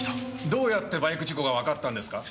どうやってバイク事故がわかったんですか？